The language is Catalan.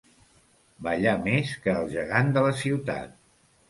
Ballar més que el gegant de la ciutat.